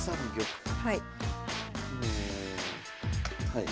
はい。